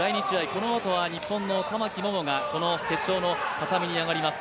このあとは日本の玉置桃が決勝の畳に上がります。